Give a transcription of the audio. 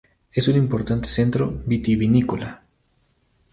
En un importante centro vitivinícola.